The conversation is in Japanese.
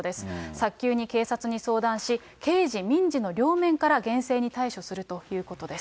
早急に警察に相談し、刑事・民事の両面から、厳正に対処するということです。